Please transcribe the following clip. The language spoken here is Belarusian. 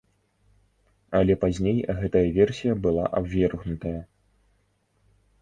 Але пазней гэтая версія была абвергнутая.